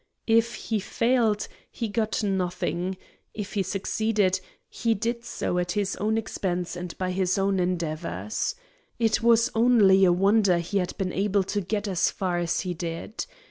If he failed, he got nothing; if he succeeded, he did so at his own expense and by his own endeavors. It was only a wonder he had been able to get as far as he did.